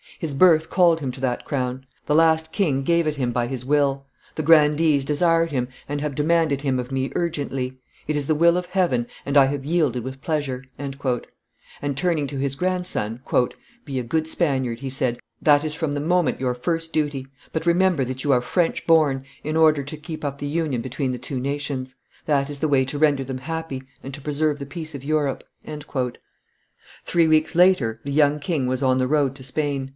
His birth called him to that crown; the last king gave it him by his will; the grandees desired him, and have demanded him of me urgently; it is the will of Heaven, and I have yielded with pleasure." And, turning to his grandson, "Be a good Spaniard," he said; "that is from this moment your first duty; but remember that you are French born in order to keep up the union between the two nations; that is the way to render them happy and to preserve the peace of Europe." Three weeks later the young king was on the road to Spain.